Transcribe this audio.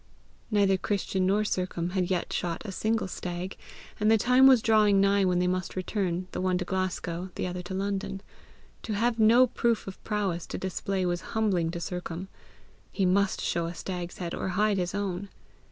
Neither Christian nor Sercombe had yet shot a single stag, and the time was drawing nigh when they must return, the one to Glasgow, the other to London. To have no proof of prowess to display was humbling to Sercombe; he must show a stag's head, or hide his own!